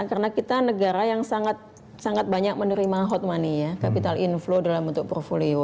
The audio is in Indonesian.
karena kita negara yang sangat banyak menerima hot money ya capital inflow dalam bentuk portfolio